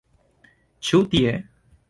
Ĉu tie?